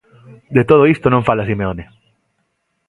De todo iso non fala Simeone.